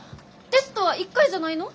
テストは１回じゃないの？